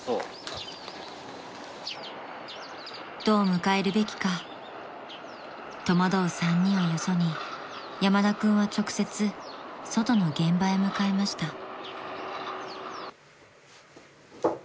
［どう迎えるべきか戸惑う３人をよそに山田君は直接外の現場へ向かいました］